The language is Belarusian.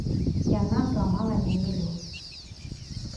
Яна зламала мяне лёс.